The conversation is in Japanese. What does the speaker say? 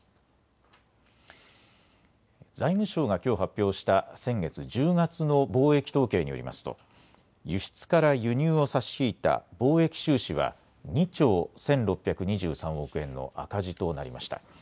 財務省がきょう、発表した先月１０月の貿易統計によりますと輸出から輸入を差し引いた貿易収支は２兆１６２３億円の赤字となりました。